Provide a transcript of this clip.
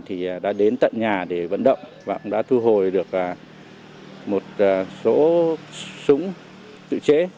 thì đã đến tận nhà để vận động và cũng đã thu hồi được một số súng tự chế